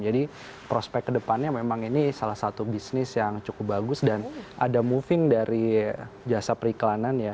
jadi prospek kedepannya memang ini salah satu bisnis yang cukup bagus dan ada moving dari jasa periklanan ya